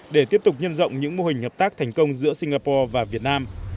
để tiếp tục nhân rộng những mô hình hợp tác thành công giữa singapore và việt nam